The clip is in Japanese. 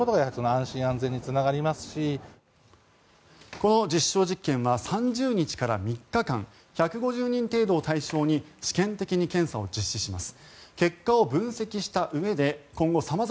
この実証実験は３０日から３日間１５０人程度を対象に試験的に検査を実施します。